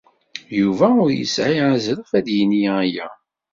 Yuba ur yesɛi azref ad d-yini aya.